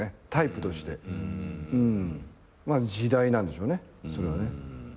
まあ時代なんでしょうねそれがね。